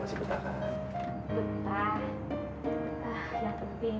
yang penting saya bisa membantu ibu